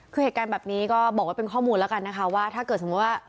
คือเหตุการณ์แบบนี้ก็บอกว่าเป็นข้อมูลแล้วกันนะคะว่าถ้าเกิดสมมุติว่า